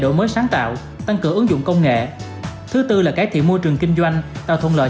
đổi mới sáng tạo tăng cường ứng dụng công nghệ thứ tư là cải thiện môi trường kinh doanh tạo thuận lợi